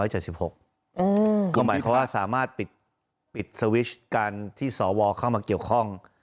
ก็หมายความว่าสามารถปิดสวิชการที่สวเข้ามาเกี่ยวข้อง